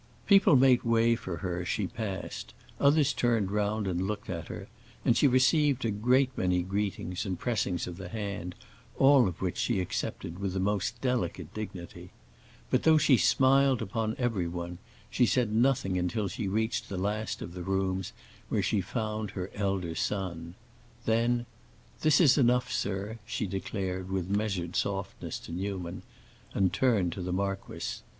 People made way for her as she passed, others turned round and looked at her, and she received a great many greetings and pressings of the hand, all of which she accepted with the most delicate dignity. But though she smiled upon everyone, she said nothing until she reached the last of the rooms, where she found her elder son. Then, "This is enough, sir," she declared with measured softness to Newman, and turned to the marquis.